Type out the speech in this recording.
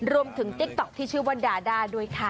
รวมถึงติ๊กต๊อกที่ชื่อวันดาดาด้วยค่ะ